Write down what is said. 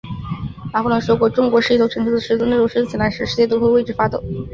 拿破仑说过，中国是一头沉睡的狮子，当这头睡狮醒来时，世界都会为之发抖。